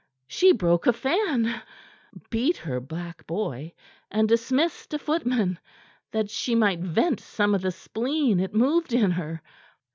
She broke a fan, beat her black boy and dismissed a footman, that she might vent some of the spleen it moved in her.